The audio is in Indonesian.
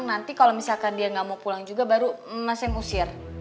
nanti kalau misalkan dia gak mau pulang juga baru mas yang usir